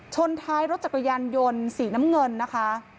ชนท้ายรถจักรยานยนต์สีน้ำเงินนะคะ